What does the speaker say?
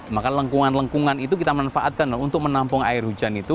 maka lengkungan lengkungan itu kita manfaatkan untuk menampung air hujan itu